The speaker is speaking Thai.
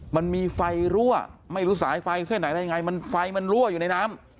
มันมีไฟรั่วไม่รู้สายไฟเสียไหนไฟมันรั่วอยู่ในน้ำ